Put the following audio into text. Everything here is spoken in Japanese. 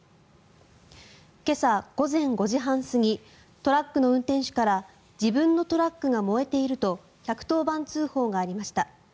今朝午前５時半過ぎトラックの運転手から自分のトラックが燃えていると１１０番通報がありました。